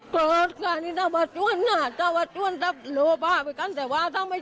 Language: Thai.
และวันนี้เหมือนจะได้สติแล้วเขายกมูลวายขอโทษร้องไห้